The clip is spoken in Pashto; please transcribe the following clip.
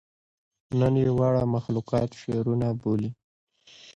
نن ئې واړه مخلوقات شعرونه بولي